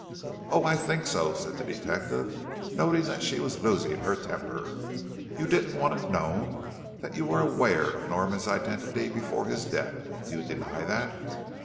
"Oh, I think so," said the detective, noting that she was losing her temper. "You didn't want it known that you were aware of Norman's identity before his death. Do you deny that?"